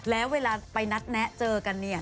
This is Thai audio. แล้วเวลาไปนัดแนะเจอกันเนี่ย